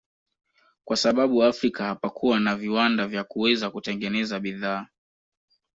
Kwa sababu Afrika hapakuwa na viwanda vya kuweza kutengeneza bidhaa